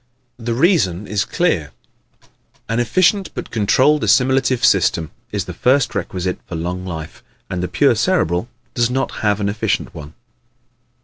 The reason is clear. An efficient but controlled assimilative system is the first requisite for long life, and the pure Cerebral does not have an efficient one.